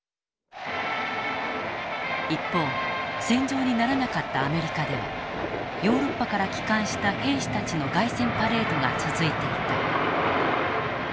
一方戦場にならなかったアメリカではヨーロッパから帰還した兵士たちの凱旋パレードが続いていた。